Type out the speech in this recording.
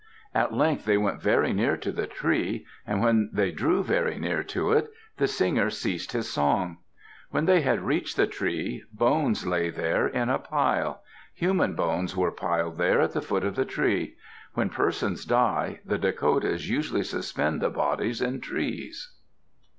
At length they went very near to the tree. And when they drew very near to it, the singer ceased his song. When they had reached the tree, bones lay there in a pile. Human bones were piled there at the foot of the tree. When persons die, the Dakotas usually suspend the bodies in trees.